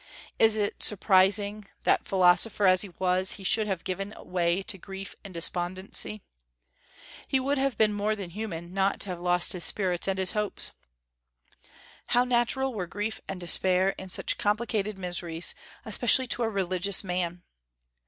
Is it surprising that, philosopher as he was, he should have given way to grief and despondency. He would have been more than human not to have lost his spirits and his hopes. How natural were grief and despair, in such complicated miseries, especially to a religious man!